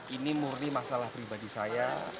ini murni masalah pribadi saya